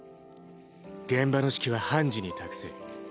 現場の指揮はハンジに託せ。